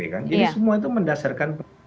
jadi semua itu mendasarkan